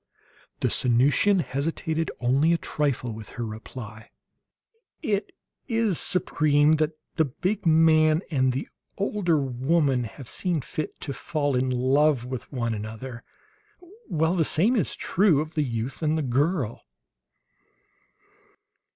The Sanusian hesitated only a trifle with her reply: "It is, Supreme, that the big man and the older woman have seen fit to fall in love with one another, while the same is true of the youth and the girl."